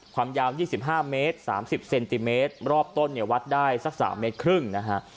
ความยาว๒๕เมตร๓๐เซนติเมตรรอบต้นเนี่ยวัดได้สัก๓เมตรครึ่งนะฮะ